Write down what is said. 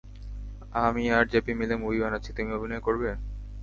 আমি আর জেপি মিলে মুভি বানাচ্ছি, তুমি অভিনয় করবে?